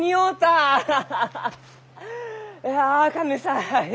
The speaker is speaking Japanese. いや神主さん